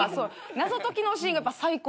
謎解きのシーンが最高なのよ。